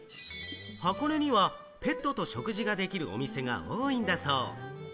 箱根にはペットと食事ができるお店が多いんだそう。